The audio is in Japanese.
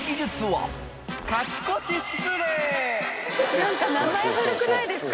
何か名前古くないですか？